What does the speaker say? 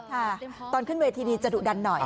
ค่ะตอนขึ้นเวทีดีจะดุดันหน่อย